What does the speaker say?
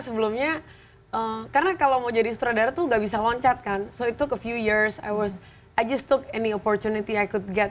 sebelumnya karena kalau mau jadi sutradara tuh nggak bisa loncat kan so it took a few years i just took any opportunity i could get